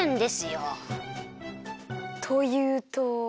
というと？